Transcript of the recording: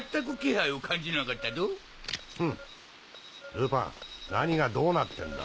ルパン何がどうなってんだ？